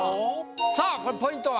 さあこれポイントは？